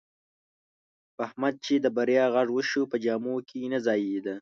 په احمد چې د بریا غږ وشو، په جامو کې نه ځایېدا.